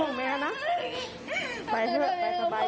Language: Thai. เบาไปได้